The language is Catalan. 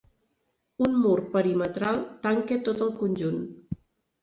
Un mur perimetral tanca tot el conjunt.